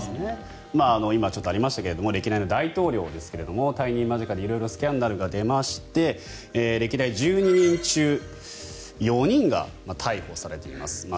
今ありましたけれど歴代の大統領ですが退任間近に色々スキャンダルが出まして歴代１２人中４人が逮捕されています。